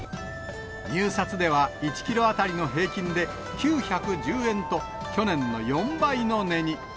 入札では、１キロ当たりの平均で９１０円と、去年の４倍の値に。